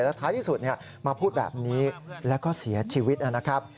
แล้วท้ายที่สุดมาพูดแบบนี้แล้วก็เสียชีวิตนะครับ